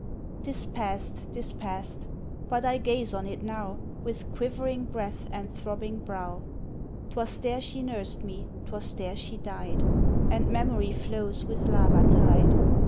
'Tis past, 'tis past, but I gaze on it now With quivering breath and throbbing brow: 'Twas there she nursed me, 'twas there she died; And memory flows with lava tide.